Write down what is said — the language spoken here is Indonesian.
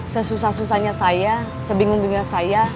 sesusah susahnya saya sebingung dengan saya